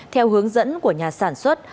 theo hướng dẫn của nhà sản xuất